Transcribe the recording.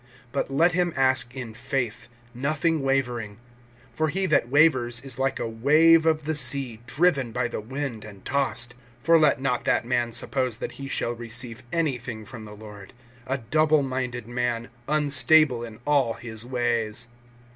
(6)But let him ask in faith, nothing wavering; for he that wavers is like a wave of the sea driven by the wind and tossed. (7)For let not that man suppose that he shall receive anything from the Lord; (8)a double minded man, unstable in all his ways.